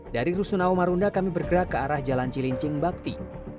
dari rusunawa marunda kami bergerak ke arah jalan cilincing bakti